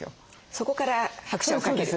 そこから拍車をかける？